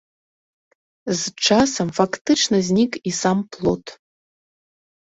З часам фактычна знік і сам плот.